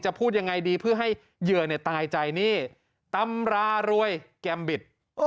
พูดยังไงดีเพื่อให้เหยื่อตายใจนี่ตำรารวยแกมบิต